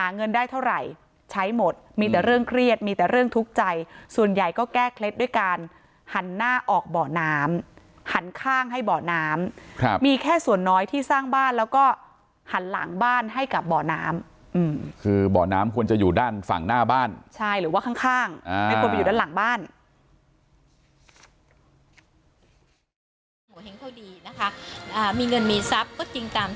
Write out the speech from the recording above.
เงินได้เท่าไหร่ใช้หมดมีแต่เรื่องเครียดมีแต่เรื่องทุกข์ใจส่วนใหญ่ก็แก้เคล็ดด้วยการหันหน้าออกเบาะน้ำหันข้างให้เบาะน้ำมีแค่ส่วนน้อยที่สร้างบ้านแล้วก็หันหลังบ้านให้กับบ่อน้ำคือบ่อน้ำควรจะอยู่ด้านฝั่งหน้าบ้านใช่หรือว่าข้างไม่ควรไปอยู่ด้านหลังบ้าน